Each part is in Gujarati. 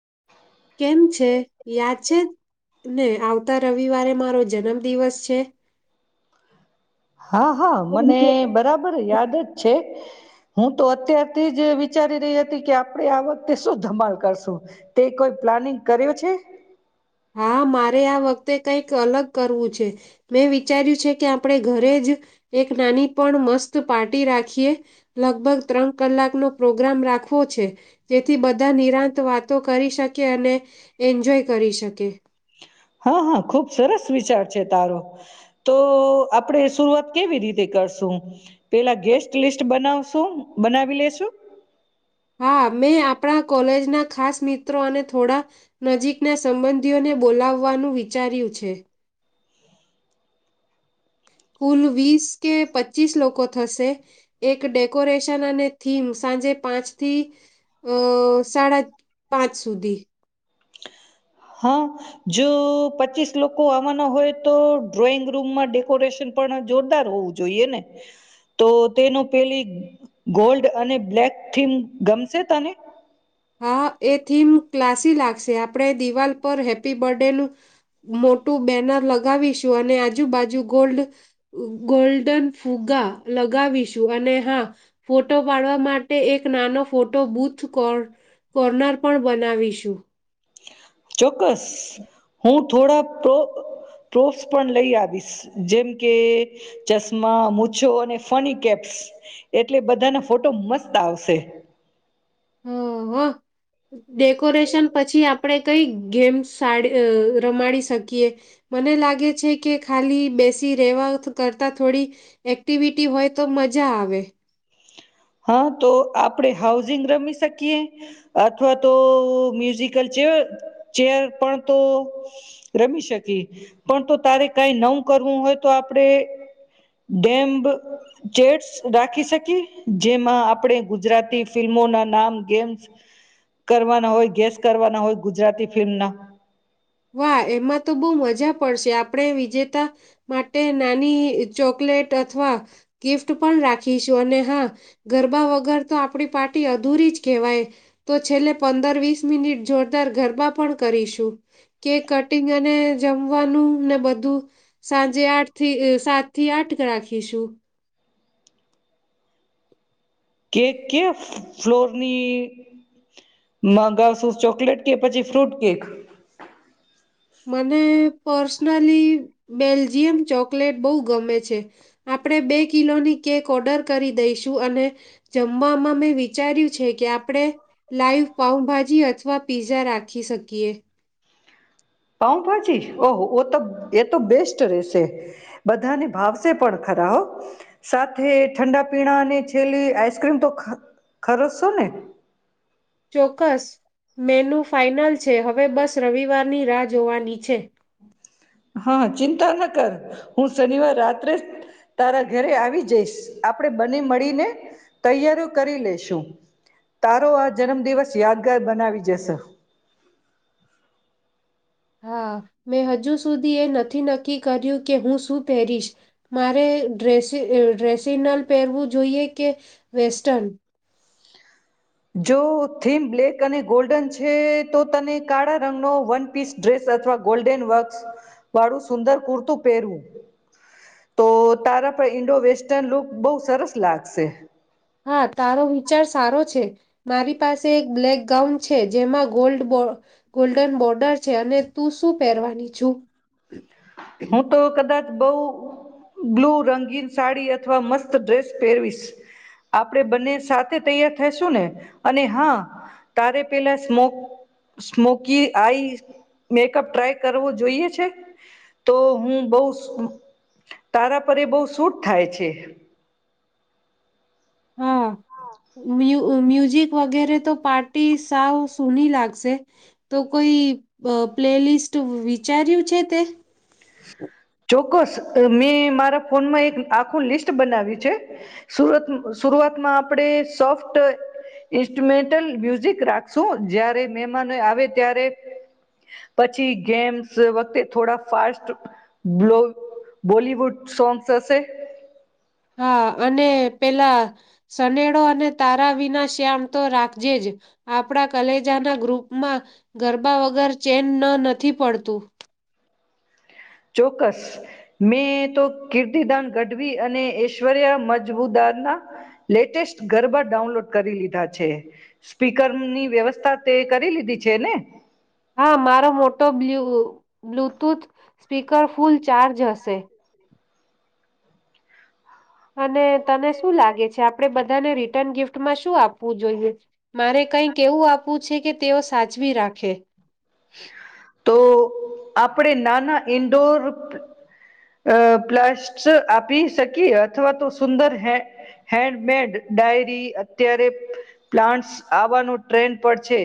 [inaudible] કેમ છે, યાદ છે ને, આવતા રવિવારે મારો જન્મ દિવસ છે.? હા! હા! મને બરાબર યાદ જ છે. હું તો અત્યારથી જ વિચારી રહી હતી કે આપડે આ વખતે શું ધમાલ કરશું. તે કોઈ પ્લાનિંગ કર્યો છે.? હા મારે આ વખતે કંઈક અલગ કરવું છે. મેં વિચાર્યું છે કે આપણે ઘરે જ એક નાની પણ મસ્ત પાર્ટી રાખીએ, લગભગ ત્રણ કલાકનો પ્રોગ્રામ રાખવો છે. જેથી બધા નિરાંત વાતો. કરી શકે અને એન્જોય કરી શકે. હા હા ખુબ સરસ વિચાર છે તારો. તો આપણે શરૂઆત કેવી રીતે કરશું? પેલા ગેસ્ટ લિસ્ટ બનાવશું બનાવી લેસું? હા! મેં આપણા કોલેજના ખાસ મિત્રો, અને થોડા નજીકના સંબંધીઓને બોલાવવાનું વિચાર્યું છે. કુલ વીસ કે પચીસ લોકો થશે, એક ડેકોરેશન અને થીમ, સાંજે પાંચ થી અ સાડા પાંચ સુધી હા જો પચીસ લોકો આવવાના હોય તો, ડ્રોઈંગ રૂમમાં ડેકોરેશન પણ જોરદાર હોવું જોઈએ ને, તો તેનો પેલી ગોલ્ડ અને બ્લેક થીમ ગમશે તને.? હા એ થીમ ક્લાસી લાગશે. આપણે દિવાલ પર હેપી બર્થડેનું મોટું બેનર લગાવીશું. અને આજે બાજુ ગોલ્ડ ગોલ્ડન ફૂગ્ગા લગાવીશું. અને હા ફોટો પાડવા માટે એક એક નનો ફોટો બુજ કર કોર્નર પણ બનાવીશું. ચોક્કસ હું થોડા પ્રોપ પ્રૂફ્સ પણ લઈ આવીશ જેમ કે ચશ્મા મુછો અને ફની કેપ્સ એટલે બધાના ફોટો મસ્ત આવશે. ઓ હો ડેકોરેશન પછી આપ આપે કઈ ગેમ્સ સાડી રમાડી શકીએ. મને લાગે છે કે ખાલી બેસી રહેેવા કરતા થોડી એક્ટિવિટી હોય તો મજા આવે હા તો આપણેે હાઉઝિંગ રમી શકીએ અથવા તો મ્યુઝિકલ ચેયર ચેયર પણ તો રમી શકીએ પણ તો તારે કઈ નવું કરવું હોય તો આપડણે ડેમ્બ ચેયર્સ રાખી શકીએ. જેમાં આપણે ગુજરાતી ફિલ્મોના નામ ગેમ્સ કરવાના હોય ગેસ કરવાના હોય ગુજરાતી ફિલ્મના વાહ એમાં તો બહુ મજા પડશે આપણે વિજેતા માટે નાની ચોકલેટ અથવા ગિફ્ટ પણ રાખીશું અને હા ગરબા વગર તો આપડી પા અધૂરી જ કહેવાય તો છેલ્લે પંદર વીસ મિનિટ જોરદાર ગરબા પણ કરીશું. કે કટિંગ અને જમવાનું ને બધું સાંજે આઠ થી સાત થી આઠ રાખીશું કેક કે ફ્લોરની ગાવશું ચોકલેટ કે પછી ફ્રૂટ કેક મને પર્સનાલી બેલ્જીિયમ ચોકલેટ બહુ ગમે છે આપણે બે કિલોની કેક ઓર્ડર કરી દઈશું અને જમવામાં મેં વિચાર્યું છે. કે આપણે લાઈવ પાઉભાજી અથવા પીઝા રાખી શકીએ પાઉભાજી ઓહો ઓ તો એ તો બેસ્ટ રેશે બધાને ભાવશે પણ ખરા હો સાથે ઠંડા પીણાની છેલ્લી આઈસક્રીમ તો ખરસસો ને ચોક્કસ મેનુ ફાઈનલ છે હવે બસ રવિવારની રાહ જોવાની છે. હા ચિંતા ન કર હું શનિવાર રાત્રે તારા ઘરે આવી જઈશ આપણેે બને મળીને તૈયારીઓ કરી લેશુ તારો આ જન્મદિવસ યાદગાર બનાવી જશે. હા મેં હજુ સુધી એ નથી નક્કી કર્યું કે હું શું પહેરીશ મારે ડ્રેસ ડ્રેસિનલ પહેરવું જોઈએ કે વેસ્ટર્ન જો થીમ બ્લેક અને ગોલ્ડન છે તો તને કાળા રંગનો વન પીસ ડ્રેસ અથવા ગોલ્ડન વક્સ વાળું સુંદર કુર્તું પહેરવું તો તારા પર ઈન્ડો વેસ્ટર્ન લુક બઉ સરસ લાગશે. હા તારો વિચાર સારો છે મારી પાસે એક બ્લેક ગાઉન છે જેમાં ગોલ્ડ ગોલ્ડન બોર્ડર છે અને તું શું પહેરવાની છુ. બહ બ્લુ રંગીન સાડી અથવા મસ્ત ડ્રેસ પહેરવીશ આપણેે બંને સાથે તૈયાર થઈશું ને અને હા તારે પેલા smoke smoky eye makeup try કરવો જોઈએ છે તો હું બઉ તારા પર બઉ સૂટ થાય છે. હા. મ્યુઝિક વગેરે તો પાર્ટી સાવ સૂની લાગશે તો કોઈ પ્લેલિસ્ટ વિચાર્યું છે તે ચોક્કસ મેં મારા ફોનમાં એક આખું લિસ્ટ બનાવ્યું છે સુરત સુરઆતમાં આપણે સોફ્ટ ઇન્સ્ટ્રુમેન્ટલ મ્યુઝિક રાખશું જારે મહેમાનો આવે ત્યારે પછી ગેમ્સ વખતે થોડા ફાસ્ટ બલો બોલીવુડ સોગસશે હા અને પેલા સનેડો અને તારા વિના શ્યામ તો રાખજે જ આપણા કલેજાના ગ્રુપમાં ગરબા વગર ચેન ન નથી પડતું. ચોક્કસ મેં તો કિર્દીદાન ગઢવી અને ઐશ્વર્ય મજબુદારના લેટેસ્ટ ગરબા ડાઉનલોડ કરી લીધા છે સ્પીકરની વ્યવસ્થા તે કરી લીધી છે ને હા મારો મોટો બ્લ બ્લુટૂથ સ્પીકર ફૂલ ચાર્જ હશે. અને તને શું લાગે છે આપડે બધાને રિટર્ન ગિફ્ટ શું આપવું જોઈએ મારે કઈક એવું આપવું છે કે તેઓ સાચવી રાખે તો આપણે નાના ઇન્ડોર અ પ્લાસ્ટ આપી શકીએ અથવા તો સુંદર હે હેન્ડમેડ ડાયરી અત્યારે પ્લાન્ટ્સ આવવાનો ટ્રેન્ડ પર છે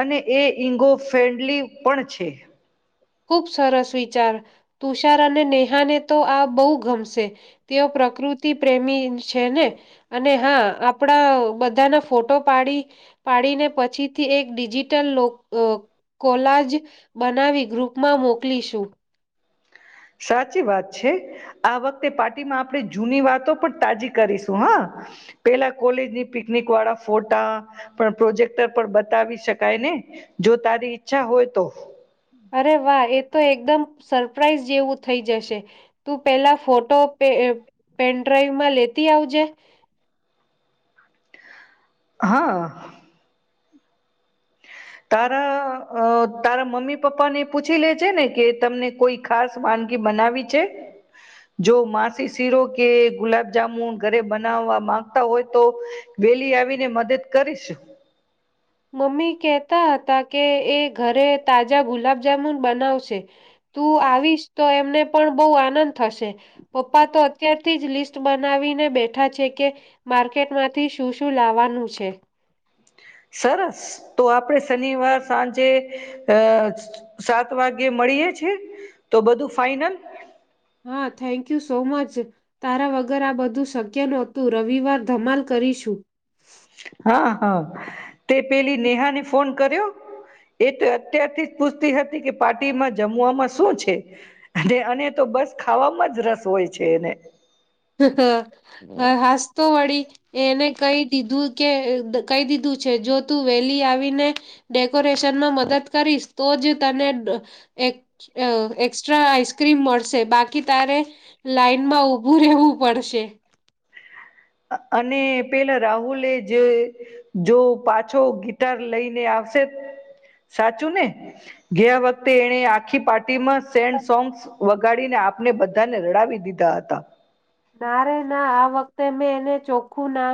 અને એ ઈગોફ્રેન્ડલી પણ છે. ખુબ સરસ વિચાર તુષાર અને નેહાને તો આ બહુ ગમશે તેઓ પ્રકૃતિ પ્રેમી છે ને અને હા આપણા બધાના ફોટો પાડી પાડીને પછીથી એક ડિજિટલ કોલાજ બનાવી ગ્રુપ માં મોકલીશું. સાચી વાત છે આ વખતે પાર્ટીમાં આપણે જૂની વાતો પણ તાજી કરીશું હા પેલા કોલેજની પિકનિક વાળા ફોટા પણ પ્રોજેક્ટર પણ બતાવી શકાય ને જો તારી ઈચ્છા હોય તો અરે વાહ એ તો એકદમ સરપ્રાઈઝ જેવું થઈ જશે તું પેલા ફોટો પેનડ્રાઈવમાં લેતી આવજે હા. તારા તારા મમ્મી પપ્પા ને પૂછી લે છે ને કે તમને કોઈ ખાસ વાનગી બનાવી છે જો માસી શીરો કે ગુલાબજામુન ઘરે બનાવવા માંગતા હોય તો વેલી આવીને મદદ કરીશું. મમ્મી કહતા હતા કે એ ઘરે તાજા ગુલાબજામુન બનાવશે. તું આવીશ તો એમને પણ બહુ આનંદ થશે. પપ્પા તો અત્યારથી જ લિસ્ટ બનાવીને બેઠા છે કે માર્કેટમાંથી શું શું લાવવાનું છે. સરસ તો આપડે શનિવાર સાંજે અ સાત વાગ્યે મળીએે છે તો બધું ફાઈનલ હા થેન્ક યુ સો મચ તારા વગર આ બધું શક્ય નહોતું રવિવાર ધમાલ કરીશું. હા હા. તે પેલી નેહાની ફોન કર્યો એ તો અત્યારથી જ પુછતી હતી કે પાર્ટીમાં જમવામાં શું છે અને અને તો બસ ખાવામાં જ રસ હોય છે એને હ હાસતો વળી એને કઈ દીધું કે કહી દીધું છે જો તું વેલી આવીને ડેકોરેશનમાં મદદ કરીશ તો જ તને એક્સ્ટ્રા આઇસક્રીમ મળશે બાકી તારે હ. લાઈન માં ઉભું જવું પડશે અને પેલા રાહુલે જ જો પાછો ગિટાર લઈને આવશે સાચું ને ગયા વખતે એણે આખી પાર્ટી માં સેડ સોંગ્સ વગાડીને આપને બધાને રડાવી દીધા હતા. ના રે ના આ વખતે મેં એને ચોખ્ખું ના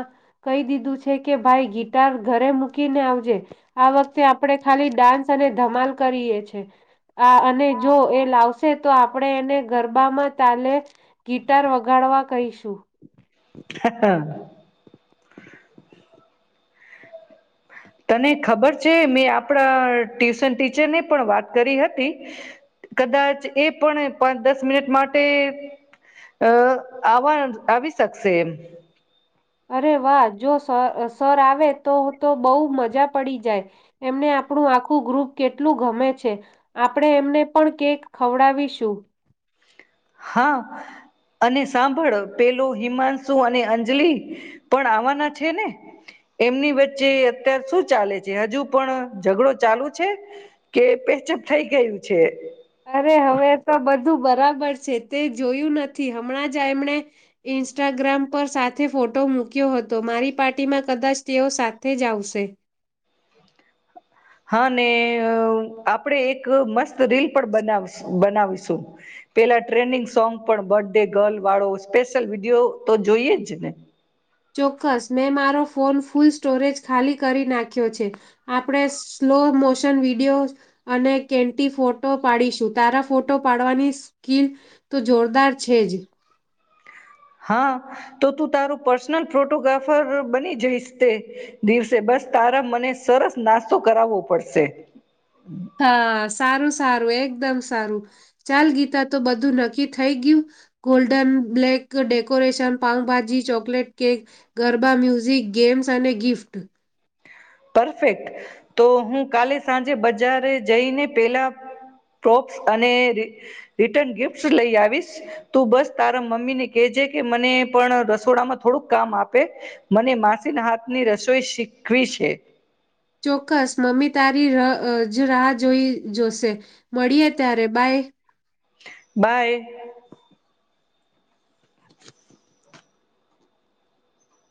કહી દીધું છે કે ભાઈ ગિટાર ઘરે મૂકીને આવજે આ વખતે આપણે ખાલી ડાન્સ અને ધમાલ કરીએ છે. આ અને જો એ લાવશે તો આપડે એને ઘર બામા તાલે ગિટાર વગર ગાળવા કરીશું. [inaudible] તને ખબર છે મેં આપણા ટ્યુશન ટીચરને પણ વાત કરી હતી કદાચ એ પણ પાંચ દસ મિનિટ માટે અ આવવા આવી શકશે એમ. અરે વાહ જો સર સર આવે તો-તો બહુ મજા પડી જાય એમને આપણું આખું ગ્રુપ કેટલું ગમે છે આપણે એમને પણ કેક ખવડાવીશું. હા અને સાંભળ પેલો હિમાંશુ અને અંજલિ પણ આવાના છે ને એમની વચ્ચે અત્યારે શું ચાલે છે હજુ પણ ઝઘડો ચાલુ છે કે પેચપ થઈ ગયું છે. અરે હવે તો બધું ધુ બરાબર છે તે જોયું નથી હમણાં જ એમણે ઇન્સ્ટાગ્રામ પર સાથે ફોટો મૂક્યો હતો મારી પાર્ટીમાં કદાચ તેઓ સાથે જ આવશે. અને આપણેે એક મસ્ત રીલ પણ બ બનાવીશું પેલા ટ્રેન્ડિંગ સોંગ પણ બર્થ ડે ગર્લ વાળો સ્પેશિયલ વિડીયો તો જોઈએ જ ને. ચોક્કસ મેં મારો ફોન ફૂલ સ્ટોરેજ ખાલી કરી નાખ્યો છે આપણે સ્લો મોશન વિડીયો અને કેન્ટી ફોટો પાડીશું તારા ફોટો પાડવાની સ્કીિલ તો જોરદાર છે જ હા તો તું તારું પર્સનલ ફોટોગ્રાફર બની જઈશ તે દિવસે બસ તારા મને સરસ નાસ્તો કરાવવો પડશે. હા સારું-સારું એક એકદમ સારું ચાલ ગીતા તો બધું નક્કી થઈ ગયું golden black decoration pav bhaji chocolate cake garba music games અને ગિફ્ટ. પરફેક્ટ તો હું કાલે સાંજે બજાર જઈને પેલા પ્રોપ્સ અને રિટન ગિફ્ટ લઈ આવીશ તું બસ તારા મમ્મીને કેહેજે કે મને પણ રસોડામાં થોડુંક કામ આપે મને માસીના હાથની રસોઈ શીખવી છે. ચોક્કસ મમ્મી તારીજ રાહ જોઈ જોશે મળીએે ત્યારે બાય. બાય.